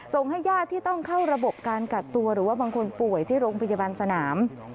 ให้ญาติที่ต้องเข้าระบบการกักตัวหรือว่าบางคนป่วยที่โรงพยาบาลสนาม